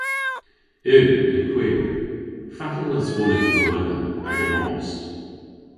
"Yw, yn hwir. Fatel aswonydh Lowena, agan ost?"